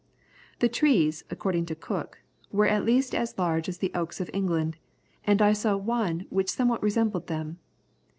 "The trees," according to Cook, "were at least as large as the oaks of England, and I saw one which somewhat resembled them.